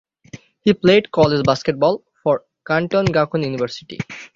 He played college basketball for Kanto Gakuin University.